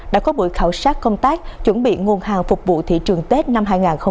đã có buổi khảo sát công tác chuẩn bị nguồn hàng phục vụ thị trường tết năm hai nghìn hai mươi